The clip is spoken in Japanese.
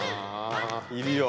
いるよ。